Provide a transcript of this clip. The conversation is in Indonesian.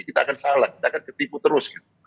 kita akan salah kita akan ketipu terus